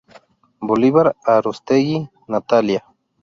Bolívar Aróstegui, Natalia.